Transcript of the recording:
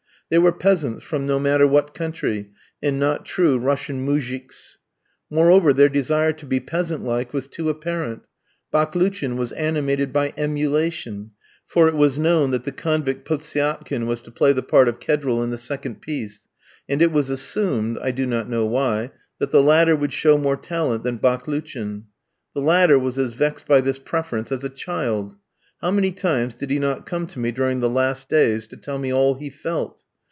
They were peasants, from no matter what country, and not true Russian moujiks. Moreover, their desire to be peasant like was too apparent. Baklouchin was animated by emulation; for it was known that the convict Potsiakin was to play the part of Kedril in the second piece, and it was assumed I do not know why that the latter would show more talent than Baklouchin. The latter was as vexed by this preference as a child. How many times did he not come to me during the last days to tell me all he felt!